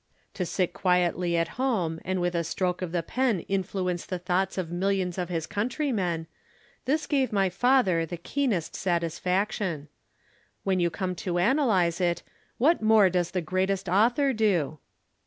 To sit quietly at home and with a stroke of the pen influence the thoughts of millions of his countrymen this gave my father the keenest satisfaction. When you come to analyze it, what more does the greatest author do?